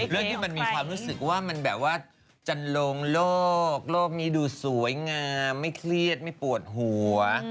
เรื่องที่มันมีความรู้สึกว่ามันแบบว่าจะลงโลกโลกนี้ดูสวยงามไม่เครียดไม่ปวดหัว